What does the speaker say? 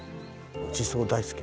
地層大好き。